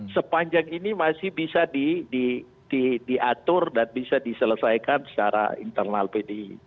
sepanjang ini masih bisa diatur dan bisa diselesaikan secara internal pdi